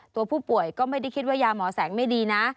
ตัวผู้ป่วยก็ไม่ได้คิดว่ายาหมอแสงไม่ดีนะ